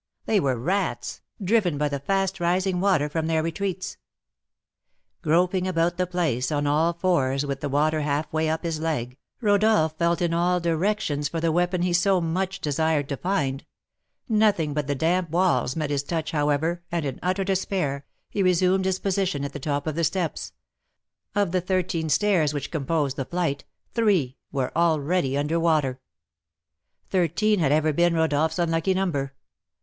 They were rats, driven by the fast rising water from their retreats. Groping about the place on all fours, with the water half way up his leg, Rodolph felt in all directions for the weapon he so much desired to find; nothing but the damp walls met his touch, however, and, in utter despair, he resumed his position at the top of the steps, of the thirteen stairs which composed the flight, three were already under water. Thirteen had ever been Rodolph's unlucky number.